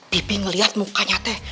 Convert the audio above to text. bibi ngeliat mukanya teh